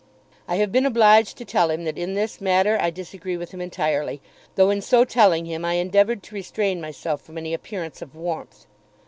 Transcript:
I have been obliged to tell him that in this matter I disagree with him entirely, though in so telling him I endeavoured to restrain myself from any appearance of warmth.